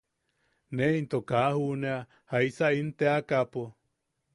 Ne into kaa juʼunea jaisa in teakaʼapo.